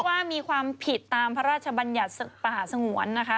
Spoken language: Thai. ว่ามีความผิดตามพระราชบัญญัติป่าสงวนนะคะ